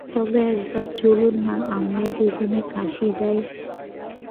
তবে একবার চলুন-না, আমরা দুইজনেই কাশী যাই।